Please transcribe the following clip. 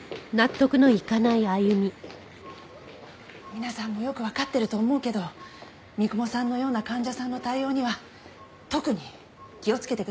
皆さんもよくわかってると思うけど三雲さんのような患者さんの対応には特に気をつけてくださいね。